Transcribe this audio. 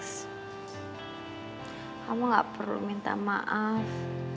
kamu gak perlu minta maaf